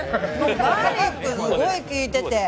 ガーリックすごいきいてて。